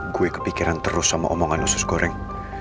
gue kepikiran terus sama omongan usus goreng